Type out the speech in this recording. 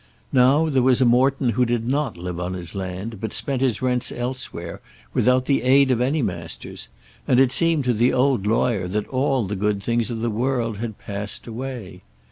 Now there was a Morton who did not live on his land, but spent his rents elsewhere without the aid of any Masters, and it seemed to the old lawyer that all the good things of the world had passed away.